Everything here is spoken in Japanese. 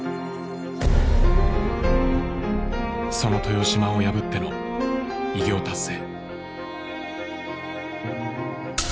その豊島を破っての偉業達成。